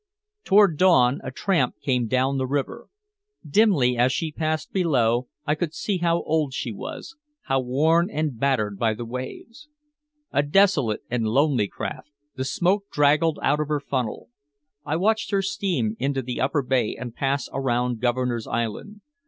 Toward dawn a tramp came down the river. Dimly as she passed below I could see how old she was, how worn and battered by the waves. A desolate and lonely craft, the smoke draggled out of her funnel. I watched her steam into the Upper Bay and pass around Governor's Island.